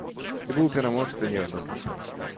Ці быў пераможца, невядома.